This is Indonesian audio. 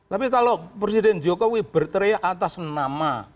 tapi kalau presiden jokowi berteriak atas nama